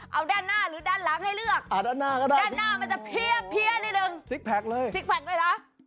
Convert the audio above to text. เอาด้านหน้าหรือด้านหลังให้เลือกด้านหน้ามันจะเพี้ยนนิดหนึ่งซิกแพ็คด้วยหรอ